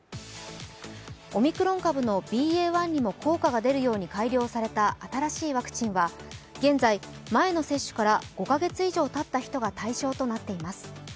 オミクロン株のＢＡ．１にも効果が出るように改良された新しいワクチンは現在、前の接種から５か月以上たった人が対象となっています。